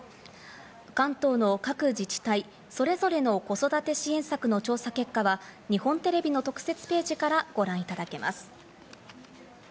関東の各自治体それぞれの子育て支援策の調査結果は、日本テレビの特設ページからご覧いただけます。